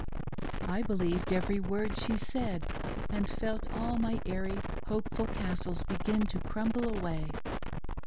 I believed every word she said, and felt all my airy, hopeful castles begin to crumble away.